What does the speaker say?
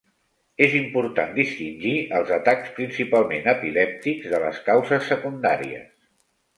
És important distingir els atacs principalment epilèptics de les causes secundàries.